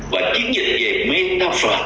và chiến dịch về metaverse